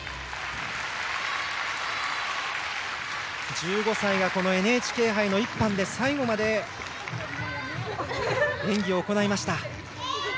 １５歳がＮＨＫ杯の１班で最後まで演技を行いました。